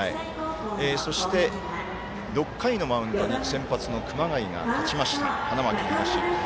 そして６回のマウンドに先発の熊谷が立ちました、花巻東。